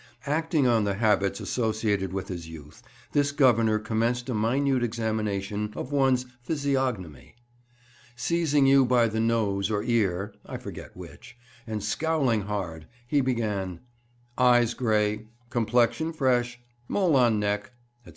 Acting on the habits associated with his youth, this Governor commenced a minute examination of one's physiognomy. Seizing you by the nose or ear (I forget which), and scowling hard, he began, "Eyes grey, complexion fresh, mole on neck, &c."